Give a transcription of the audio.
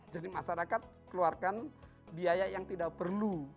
jadi masyarakat keluarkan biaya yang tidak perlu